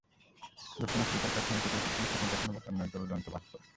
দক্ষিণ আফ্রিকার কাছে অন্তত এটি কোনো স্বপ্নটপ্নের ব্যাপার নয়, জলজ্যান্ত বাস্তব।